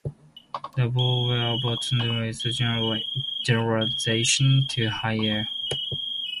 The Borel-Weil-Bott theorem is its generalization to higher cohomology spaces.